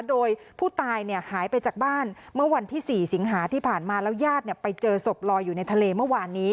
โดยผู้ตายหายไปจากบ้านเมื่อวันที่๔สิงหาที่ผ่านมาแล้วญาติไปเจอศพลอยอยู่ในทะเลเมื่อวานนี้